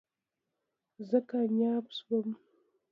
زه کامیاب شوم